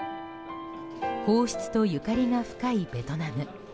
皇室とゆかりが深いベトナム。